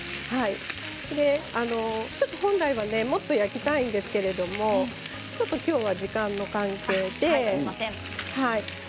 本来はもっと焼きたいんですけれどちょっときょうは時間の関係で。